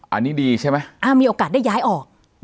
อันนี้ดีใช่ไหมมีโอกาสได้ย้ายออก